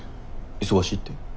忙しいって？